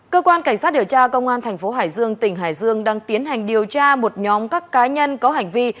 cơ quan cảnh sát điều tra công an thành phố hải dương tỉnh hải dương đang tiến hành điều tra một nhóm các cá nhân có hành vi